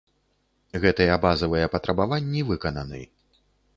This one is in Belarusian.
Гэтыя базавыя патрабаванні выкананы.